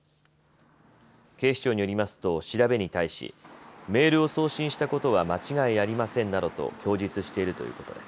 警視庁によりますと調べに対しメールを送信したことは間違いありませんなどと供述しているということです。